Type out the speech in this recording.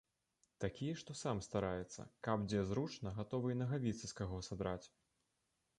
Такі, што сам стараецца, каб дзе зручна гатовыя нагавіцы з каго садраць.